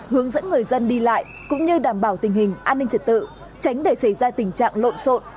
hướng dẫn người dân đi lại cũng như đảm bảo tình hình an ninh trật tự tránh để xảy ra tình trạng lộn xộn